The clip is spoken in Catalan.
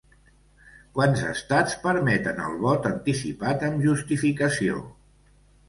Quants estats permeten el vot anticipat amb justificació?